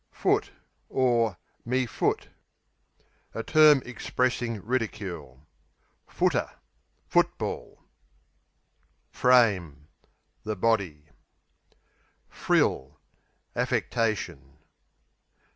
Foot (me foot) A term expressing ridicule. Footer Football. Frame The body. Frill Affectation.